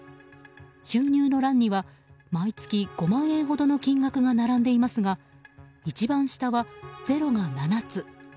収入の欄には毎月５万円ほどの金額が並んでいますが一番下は０が７つ。